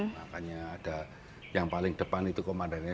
makanya ada yang paling depan itu komandannya